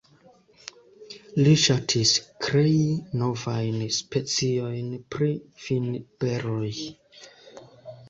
Li ŝatis krei novajn speciojn pri vinberoj.